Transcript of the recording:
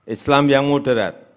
islam yang moderat